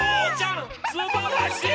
すばらしい！